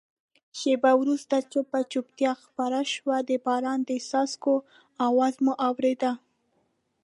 شېبه وروسته چوپه چوپتیا خپره شوه، د باران د څاڅکو آواز مو اورېده.